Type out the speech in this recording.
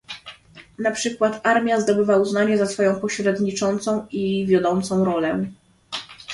Na przykład armia zdobywa uznanie za swoją pośredniczącą i wiodącą rolę